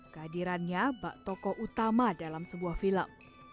kehadirannya bak toko utama dalam sebuah film